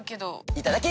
いただき！